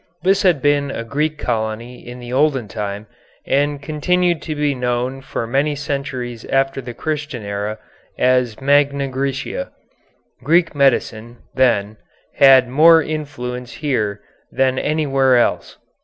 This had been a Greek colony in the olden time and continued to be known for many centuries after the Christian era as Magna Græcia. Greek medicine, then, had more influence here than anywhere else.